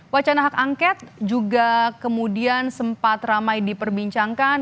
wacana hak angket juga kemudian sempat ramai diperbincangkan